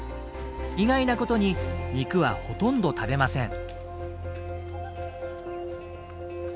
意外なことに肉はほとんど食べません。